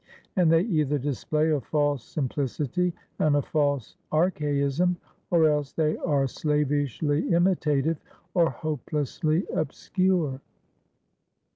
And they either display a false sim plicity and a false archaism, or else they are slavishly imitative or hopelessly obscure.